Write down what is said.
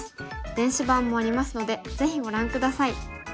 電子版もありますのでぜひご覧下さい。